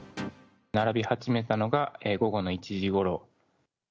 並び始めたのが、午後の１時ごろ。